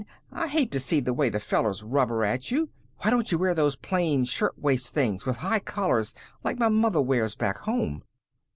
I hate to see the way the fellows rubber at you. Why don't you wear those plain shirtwaist things, with high collars, like my mother wears back home?"